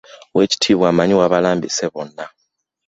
Oweekitiibwa Mayiga bw'abalambise bano